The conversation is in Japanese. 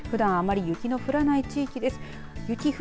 ふだんあまり雪の降らない地域です。